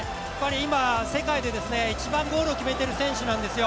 今、世界で一番ゴールを決めている選手なんですよ。